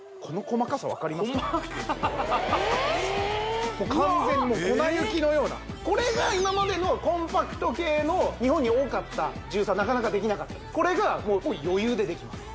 細かえっもう完全にもう粉雪のようなこれが今までのコンパクト系の日本に多かったジューサーなかなかできなかったんですこれがもう余裕でできます